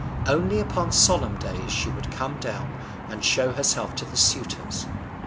Only upon solemn days she would come down and show herself to the suitors.